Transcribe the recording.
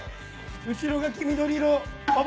後ろが黄緑色。